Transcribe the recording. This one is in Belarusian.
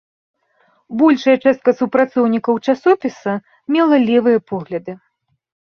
Большая частка супрацоўнікаў часопіса мела левыя погляды.